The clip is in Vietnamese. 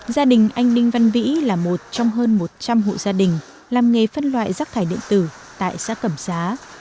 gia đình anh đinh văn vĩ là một trong hơn một trăm linh hộ gia đình làm nghề phân loại rác thải điện tử tại xã cẩm xá